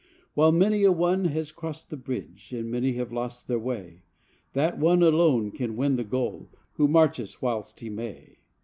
While many a one has crossed the bridge And many have lost their way, That one alone can win the goal Who marches whilst he may.